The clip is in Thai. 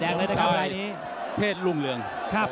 ตอนนี้มันถึง๓